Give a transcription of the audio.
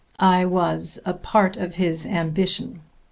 I was a part of his ambition.